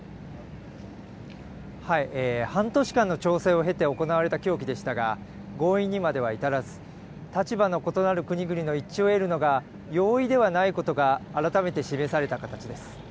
半年間の調整を経て、行われた協議でしたが、合意にまでは至らず、立場の異なる国々の一致を得るのが容易ではないことが改めて示された形です。